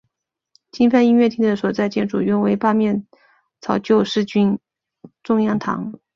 金帆音乐厅的所在建筑原为八面槽救世军中央堂。